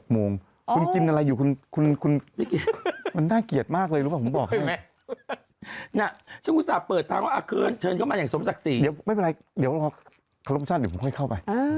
ไม่เป็นไรเดี๋ยวขอข้ารมอคชั่นเดี๋ยวผมค่อยเข้าไป